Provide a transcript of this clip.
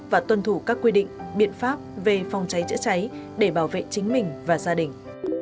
và tuân thủ các quy định biện pháp về phòng cháy chữa cháy để bảo vệ chính mình và gia đình